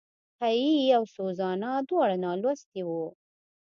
هېي او سوزانا دواړه نالوستي وو.